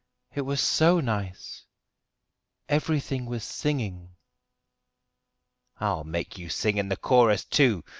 it was so nice; everything was singing." "I'll make you sing in the chorus too!"